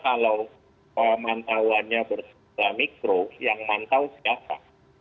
kalau pemantauannya bersama micro yang mantau siapa